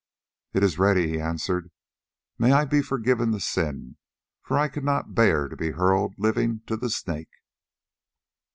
"It is ready," he answered. "May I be forgiven the sin, for I cannot bear to be hurled living to the Snake!"